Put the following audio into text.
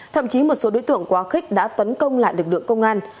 thậm chí một số đối tượng quá khích đã tấn công lại lực lượng công an